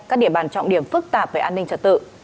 các địa bàn trọng điểm phức tạp về an ninh trật tự